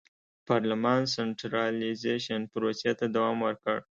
پارلمان سنټرالیزېشن پروسې ته دوام ورکړ.